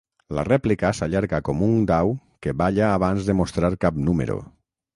La rèplica s'allarga com un dau que balla abans de mostrar cap número.